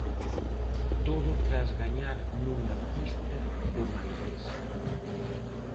Todo tras gañar nunha pista do Manresa.